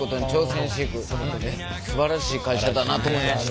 すばらしい会社だなと思いました。